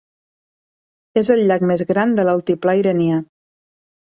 És el llac més gran de l'altiplà iranià.